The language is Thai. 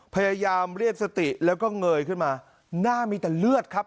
พยายามเรียกสติแล้วก็เงยขึ้นมาหน้ามีแต่เลือดครับ